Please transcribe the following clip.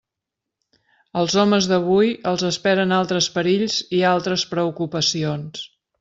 Als homes d'avui els esperen altres perills i altres preocupacions.